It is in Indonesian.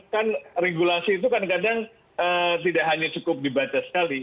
kan regulasi itu kadang kadang tidak hanya cukup dibaca sekali